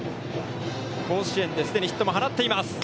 甲子園で既にヒットも放っています。